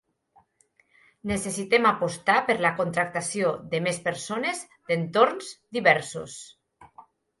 Necessitem apostar per la contractació de més persones d'entorns diversos.